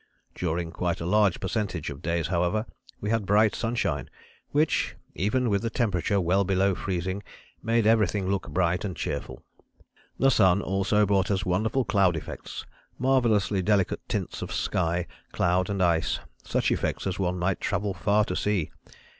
During quite a large percentage of days, however, we had bright sunshine, which, even with the temperature well below freezing, made everything look bright and cheerful. The sun also brought us wonderful cloud effects, marvellously delicate tints of sky, cloud and ice, such effects as one might travel far to see.